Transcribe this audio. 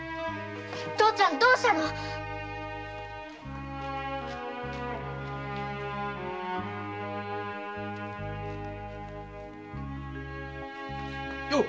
父ちゃんどうしたの⁉よう！